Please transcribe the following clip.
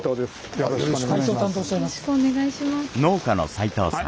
よろしくお願いします。